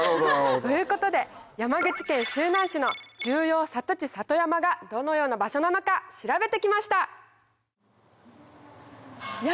ということで山口県周南市の重要里地里山がどのような場所なのか調べて来ました！